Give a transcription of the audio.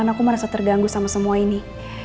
karena aku merasa terganggu sama semua ini